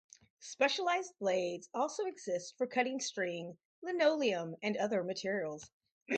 Specialized blades also exist for cutting string, linoleum, and other materials.